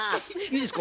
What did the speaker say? いいですか？